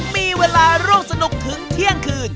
มีเวลาร่วมสนุกถึงเที่ยงคืน